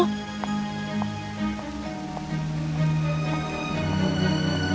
temanku franz sungguh menghindari kami untuk bersama